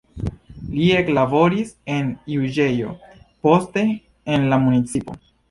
Li eklaboris en juĝejo, poste en la municipo.